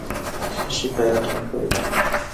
شکایت مه کوئ.